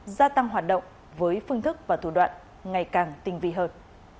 gia tăng hoạt động với phương thức và thủ đoạn ngày càng tinh vi hơn